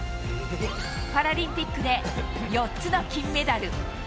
パラリンピックで４つの金メダル。